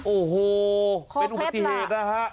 โอ้โหเป็นอุปสรรพย์เหตุนะฮะ